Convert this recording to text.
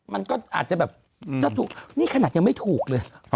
มันก็อาจจะแบบถ้าถูกนี่ขนาดยังไม่ถูกเลย